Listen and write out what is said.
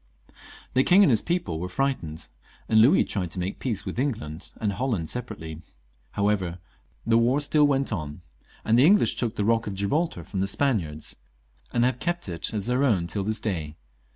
The king and his people were fright ened, and Louis tried to make peace with England and Holland separately. However, the war still went on ; the English took the Bock of Gibraltar from the Spaniards, and have kept it as their own till this day.